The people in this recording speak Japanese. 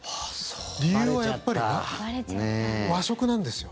理由はやっぱり和食なんですよ。